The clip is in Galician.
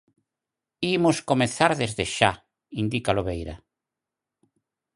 "Imos comezar desde xa" indica Lobeira.